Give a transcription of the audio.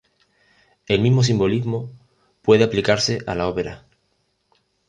El mismo simbolismo puede aplicarse a la ópera.